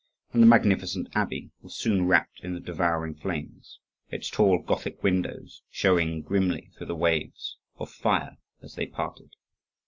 And the magnificent abbey was soon wrapped in the devouring flames, its tall Gothic windows showing grimly through the waves of fire as they parted.